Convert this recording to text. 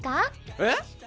えっ！？